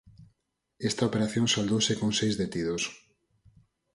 Esta operación saldouse con seis detidos.